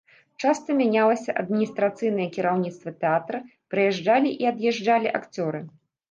Часта мянялася адміністрацыйнае кіраўніцтва тэатра, прыязджалі і ад'язджалі акцёры.